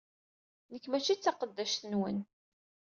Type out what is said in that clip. Nekk mačči d taqeddact-nwen.